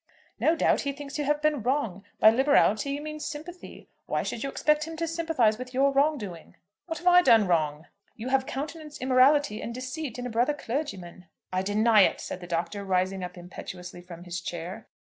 "No doubt he thinks you have been wrong. By liberality you mean sympathy. Why should you expect him to sympathise with your wrong doing?" "What have I done wrong?" "You have countenanced immorality and deceit in a brother clergyman." "I deny it," said the Doctor, rising up impetuously from his chair.